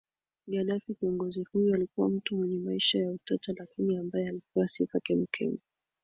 Ghaddafi Kiongozi huyo alikuwa mtu mwenye maisha ya utata lakini ambaye alipewa sifa kemkem